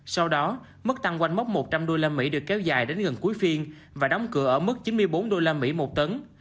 sau đó mức tăng quanh mốc một trăm linh usd được kéo dài đến gần cuối phiên và đóng cửa ở mức chín mươi bốn usd một tấn